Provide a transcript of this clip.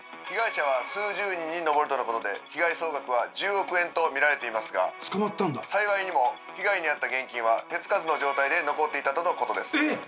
被害者は数十人に上るとのことで被害総額は１０億円とみられていますが幸いにも被害に遭った現金は手付かずの状態で残っていたとのことです。